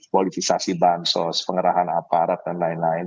politisasi bansos pengerahan aparat dan lain lain